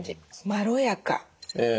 まろやか。